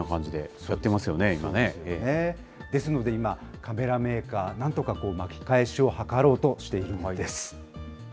そうですよね、ですので今、カメラメーカー、なんとか巻き返しを図ろうとしているんです。